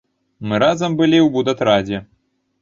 Мы разам былі ў будатрадзе.